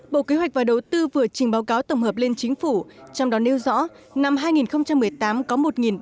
bộ kế hoạch và đầu tư vừa trình báo cáo tổng hợp lên chính phủ trong đó nêu rõ năm hai nghìn một mươi tám có